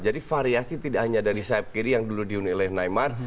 jadi variasi tidak hanya dari sayap kiri yang dulu diunik oleh neymar